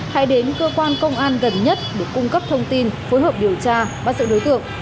hãy đến cơ quan công an gần nhất để cung cấp thông tin phối hợp điều tra bắt giữ đối tượng